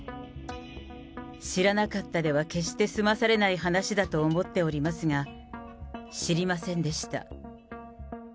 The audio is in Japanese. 知らなかったでは決してすまされない話だと思っておりますが、知りませんでした。